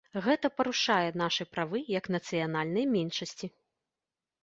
Гэта парушае нашы правы як нацыянальнай меншасці.